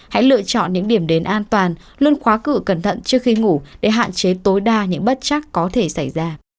hãy lựa chọn những điểm đến an toàn luôn khóa cửa cẩn thận trước khi ngủ để hạn chế tối đa những bất chắc có thể xảy ra